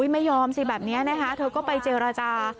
ไม่ยอมสิแบบนี้นะคะเธอก็ไปเจรจา